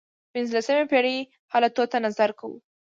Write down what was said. پنځلسمې پېړۍ حالاتو ته نظر کوو.